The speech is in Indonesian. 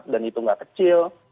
dan itu tidak kecil